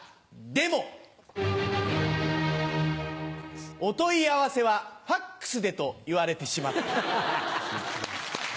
『運命』「お問い合わせはＦＡＸで」と言われてしまった。